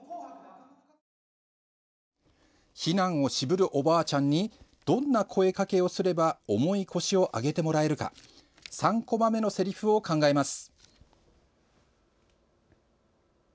避難を渋るおばあちゃんにどんな声かけをすれば重い腰を上げてもらえるか３コマ目のせりふを考えます。